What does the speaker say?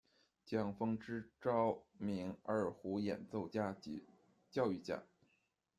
蒋风之是着名二胡演奏家及教育家。